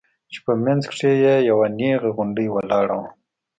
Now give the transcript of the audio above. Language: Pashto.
چې په منځ کښې يې يوه نيغه غونډۍ ولاړه وه.